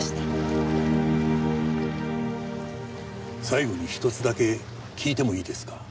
最後に１つだけ聞いてもいいですか？